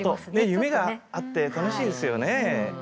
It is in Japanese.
夢があって楽しいですよね。